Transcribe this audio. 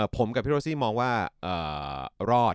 ผมกับพี่ตอสซี่มองว่าเอ่อรอด